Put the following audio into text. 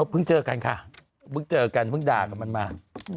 เจอกันค่ะเพิ่งเจอกันเพิ่งด่ากับมันมา